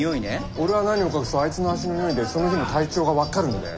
俺は何を隠そうあいつの足の匂いでその日の体調が分かるんだよ。